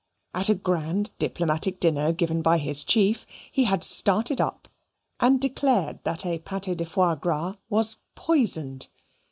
At a grand diplomatic dinner given by his chief, he had started up and declared that a pate de foie gras was poisoned.